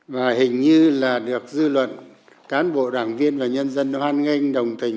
và hình như là được dư luận cán bộ đảng viên và nhân dân hoan nghênh đồng tình